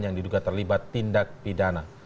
yang diduga terlibat tindak pidana